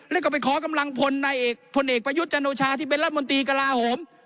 แล้วก็ไปขอกำลังพลในเอกพลเอกประยุทธ์จันโอชาที่เป็นรัฐมนตรีกระลาโหม